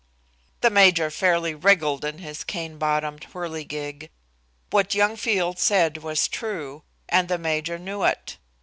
The major fairly wriggled in his cane bottomed whirligig. What young Field said was true, and the major knew it.